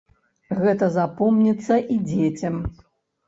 Гэта запомніцца і дзецям.